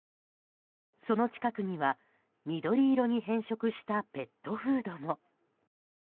その近くには緑色に変色したペットフードも。